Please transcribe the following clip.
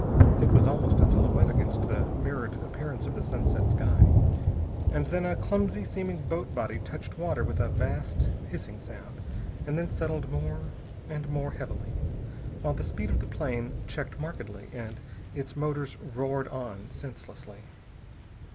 It was almost a silhouette against the mirrored appearance of the sunset sky. And then a clumsy seeming boat body touched water with a vast hissing sound, and settled more and more heavily, while the speed of the plane checked markedly and its motors roared on senselessly.